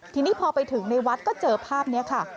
ทีนี้พอไปถึงในวัดก็เจอภาพนี้ค่ะ